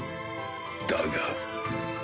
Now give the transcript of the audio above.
だが